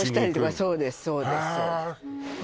そうですそうですへえで